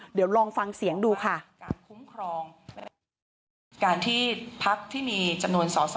เดี๋ยวลองฟังเสียงดูค่ะ